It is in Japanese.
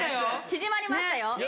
縮まりましたよ。